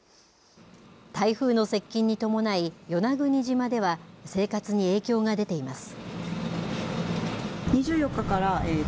台風の接近に伴い、与那国島では生活に影響が出ています。